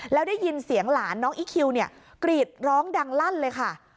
แล้วได้ยินเสียงหลานน้องอีคิวเนี่ยกรีดร้องดังลั่นเลยค่ะ